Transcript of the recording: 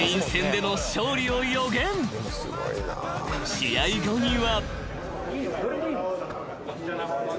［試合後には］